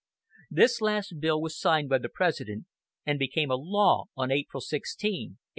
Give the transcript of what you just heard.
This last bill was signed by the President and became a law on April 16, 1862.